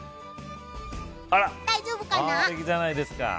大丈夫かな。